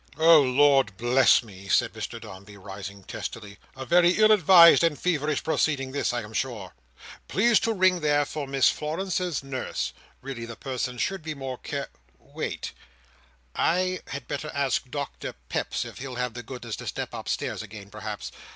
"Oh Lord bless me!" said Mr Dombey, rising testily. "A very ill advised and feverish proceeding this, I am sure. Please to ring there for Miss Florence's nurse. Really the person should be more care " "Wait! I—had better ask Doctor Peps if he'll have the goodness to step upstairs again perhaps.